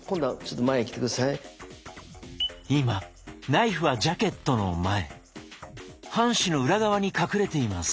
今ナイフはジャケットの前半紙の裏側に隠れています。